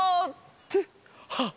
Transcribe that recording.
ってあっ！